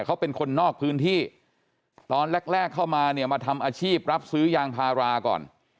เขาเป็นคนนอกพื้นที่ตอนแรกแรกเข้ามาเนี่ยมาทำอาชีพรับซื้อยางพาราก่อน